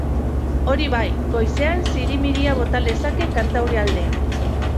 Hori bai, goizean zirimiria bota lezake kantaurialdean.